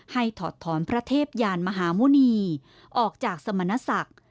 ถอดถอนพระเทพยานมหาหมุณีออกจากสมณศักดิ์